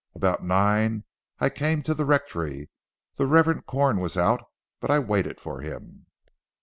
About nine I came to the rectory. The Reverend Corn was out, but I waited for him."